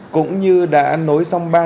cũng như đã nối xong ba nhà xe